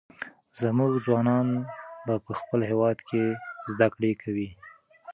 زموږ ځوانان به په خپل هېواد کې زده کړې کوي.